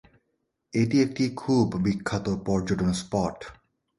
এটি একটি খুব বিখ্যাত পর্যটন স্পট।